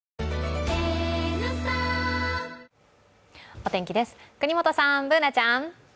お天気です、國本さん、Ｂｏｏｎａちゃん。